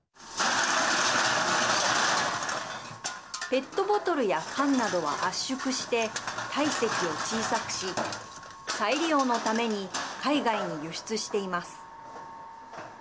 ペットボトルや缶などは圧縮して体積を小さくし再利用のために海外に輸出しています。